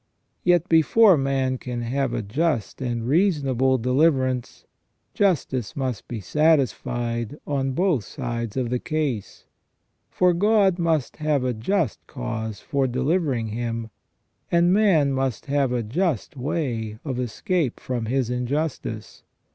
Yet before man can have a just and reasonable deliverance, justice must be satisfied on both sides of the case. For God must have a just cause for delivering him, and man must have a just way of escape from his injustice.